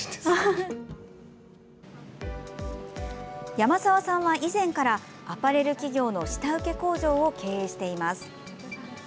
山澤さんは、以前からアパレル企業の下請け工場を経営しています。